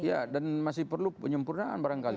ya dan masih perlu penyempurnaan barangkali